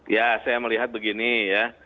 ya saya melihat begini ya